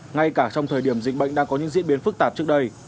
ngay cả trong thời điểm dịch bệnh đang có những diễn biến phức tạp trước đây